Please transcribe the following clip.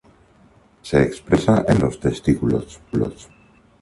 Se expresa en los testículos.